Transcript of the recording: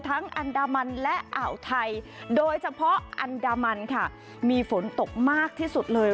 อันดามันและอ่าวไทยโดยเฉพาะอันดามันค่ะมีฝนตกมากที่สุดเลย